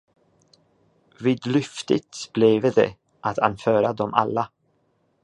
Vidlyftigt bleve det, att anföra dem alla.